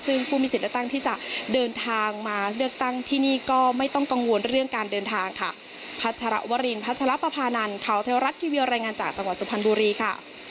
ซึ่งผู้มีสิทธิ์เลือกตั้งที่จะเดินทางมาเลือกตั้งที่นี่ก็ไม่ต้องกังวลเรื่องการเดินทางค่ะ